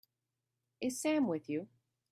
Is Sam with you?